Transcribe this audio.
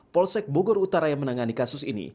polsek bogor utara yang menangani kasus ini